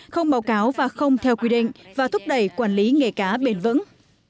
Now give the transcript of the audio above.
không báo cáo và không theo quy định và thúc đẩy quản lý nghề cá bền vững